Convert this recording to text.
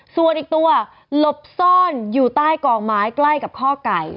ส่วนอีกตัวหลบซ่อนอยู่ใต้กองไม้ใกล้กับข้อไก่